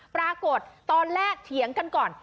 ปรากฏตอนแรกเถียงกันก่อน